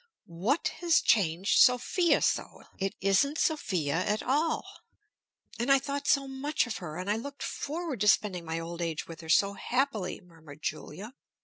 "What has changed Sophia so? It isn't Sophia at all! And I thought so much of her, and I looked forward to spending my old age with her so happily!" murmured Julia.